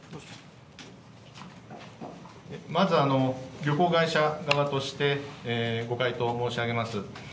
まず、旅行会社側としてご回答申し上げます。